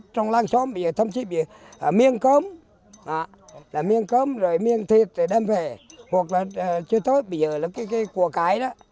trong làng xóm thăm chị bị miêng cơm miêng cơm rồi miêng thịt để đem về hoặc là chưa tới bây giờ là cái của cái đó